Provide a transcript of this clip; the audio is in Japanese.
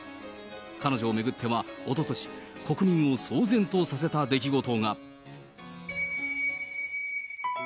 彼女を巡っては、おととし、国民を騒然とさせた出来事が。